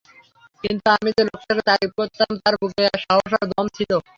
কিন্তু আমি যে লোকটাকে তারিফ করতাম তার বুকে সাহস আর দম ছিল।